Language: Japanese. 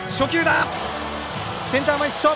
センター前ヒット。